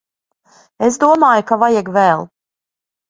Es domāju ka vajag vēl.